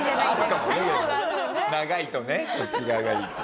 あるかもね長いとねこっち側がいいって。